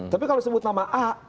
tapi kalau disebut nama a